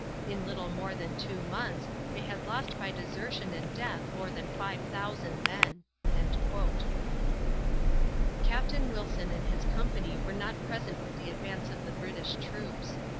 In little more than two months they had lost by desertion and death more than 5000 men." Captain Wilson and his company were not present with the advance of the British troops.